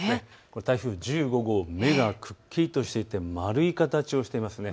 台風１５号、目がくっきりとしてきて丸い形をしていますね。